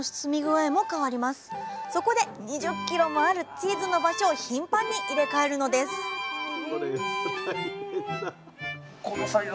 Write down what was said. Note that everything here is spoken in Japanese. そこで２０キロもあるチーズの場所を頻繁に入れ替えるのですあ